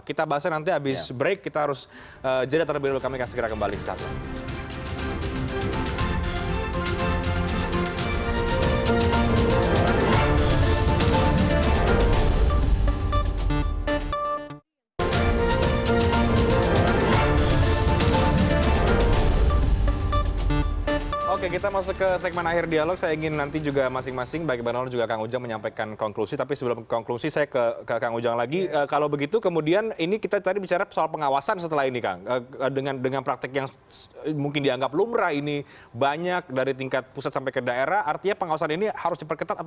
kita bahasnya nanti habis break kita harus